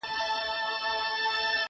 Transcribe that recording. زما له لاسه په عذاب ټول انسانان دي،